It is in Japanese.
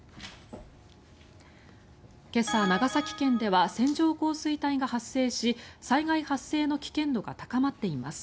今朝、長崎県では線状降水帯が発生し災害発生の危険度が高まっています。